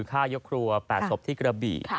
ฆ่ายกครัว๘ศพที่กระบี่